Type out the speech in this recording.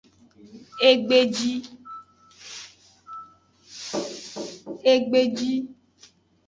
Egbeji.